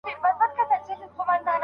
آیا فایبر انټرنیټ تر عادي انټرنیټ چټک دی؟